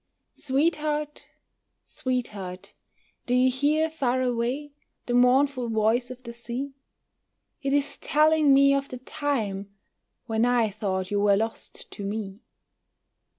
Sweetheart, sweetheart, do you hear far away The mournful voice of the sea? It is telling me of the time When I thought you were lost to me.